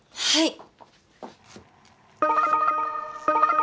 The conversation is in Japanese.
はい。